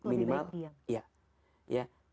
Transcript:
lebih baik diam